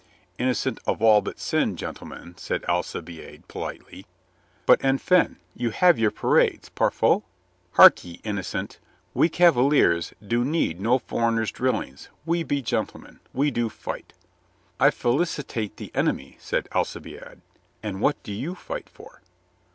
"Innocent of all but sin, gentlemen," said Alci biade politely. "But, enfin, you have your parades, parfois?" "Hark 'e, innocent. We Cavaliers do need no for eigners' drillings. We be gentlemen. We do fight." "I felicitate the enemy," said Alcibiade. "And what do you fight for?"